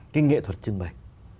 cái nghệ thuật trưng bày